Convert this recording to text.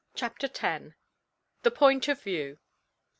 CHAPTER X. THE POINT OF VIEW.